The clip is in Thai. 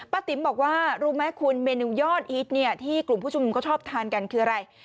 ป้าติ๋มบอกว่ารู้มั้ยคุณเมนูยอดอีกที่กลุ่มผู้ชมชอบทานกันคืออะไร